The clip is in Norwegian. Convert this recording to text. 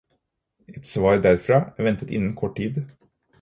Et svar derfra er ventet innen kort tid.